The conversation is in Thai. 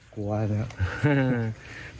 กลัวนะครับ